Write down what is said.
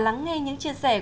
những núi những thành phố lớn